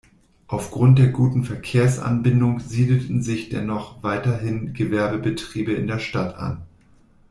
Aufgrund der guten Verkehrsanbindung siedelten sich dennoch weiterhin Gewerbebetriebe in der Stadt an.